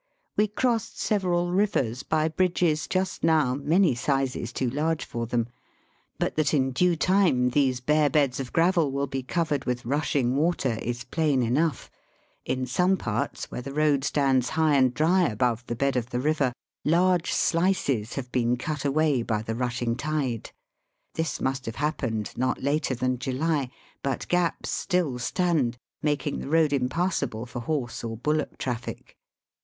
We crossed several rivers by bridges just now many sizes too large for them. But that in due time these bare beds of gravel will be covered with rushing water is plain enough. In some parts where the Digitized by VjOOQIC 56 BAST BY WEST. road stands high and dry above the bed of the river large slices have been cut away by the rushing tide. This must have happened not later than July. But gaps still stand, making the road impassable for horse or bullock traffic.